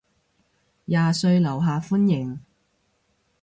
廿歲樓下歡迎